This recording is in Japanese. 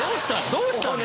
どうしたの？